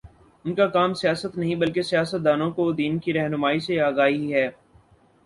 ان کا کام سیاست نہیں، بلکہ سیاست دانوں کو دین کی رہنمائی سے آگاہی ہے